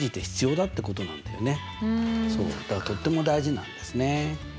だからとっても大事なんですね。